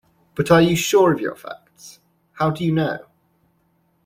But are you sure of your facts? How do you know?